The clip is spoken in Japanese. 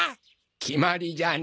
決まりじゃな。